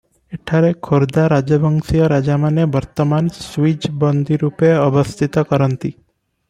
ଏଠାରେ ଖୋର୍ଦା ରାଜବଂଶୀୟ ରାଜାମାନେ ବର୍ତ୍ତମାନ ସ୍ବିଜ ବନ୍ଦୀ ରୁପେ ଅବସ୍ଥିତ କରନ୍ତି ।